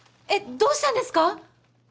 どうしたんですか？